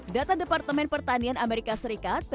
data departemen pertanian amerika serikat